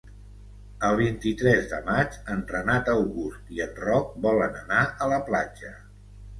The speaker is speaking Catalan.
El vint-i-tres de maig en Renat August i en Roc volen anar a la platja.